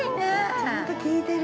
◆ちゃんと聞いてる。